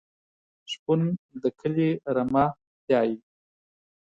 شپون د کلي رمه پیایي.